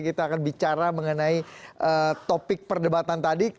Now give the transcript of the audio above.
kita akan bicara mengenai topik perdebatan tadi